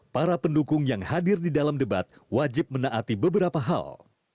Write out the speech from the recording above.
para pendukung yang hadir di dalam debat wajib menaati beberapa hal